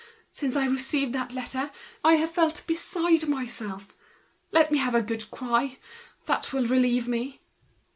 Since I received that letter, I have felt beside myself. Let me have a good cry, that will relieve me."